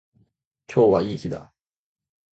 今日はいい日だ。